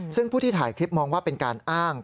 ซึ่งผู้ที่ถ่ายคลิปมองว่าเป็นการอ้าง